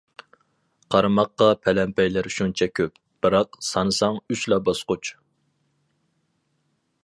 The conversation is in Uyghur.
قارىماققا پەلەمپەيلەر شۇنچە كۆپ، بىراق، سانىساڭ ئۈچلا باسقۇچ!